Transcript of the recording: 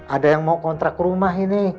ada yang mau kontrak rumah ini